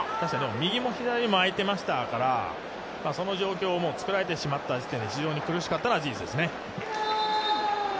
右も左も空いてましたから、その状況をもう作られてしまった時点で非常に苦しかったのは事実ですね。